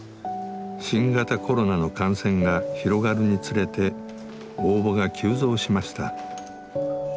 新型コロナの感染が広がるにつれて応募が急増しました。